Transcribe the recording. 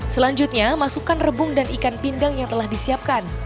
selanjutnya masukkan rebung dan ikan pindang yang telah disiapkan